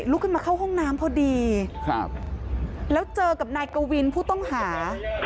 ขึ้นมาเข้าห้องน้ำพอดีครับแล้วเจอกับนายกวินผู้ต้องหา